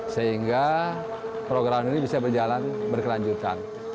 sehingga program ini bisa berjalan berkelanjutan